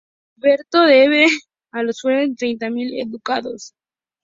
Alberto debe a los Fugger treinta mil ducados